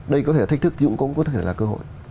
đây có thể là thách thức thì cũng có thể là cơ hội